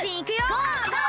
ゴー！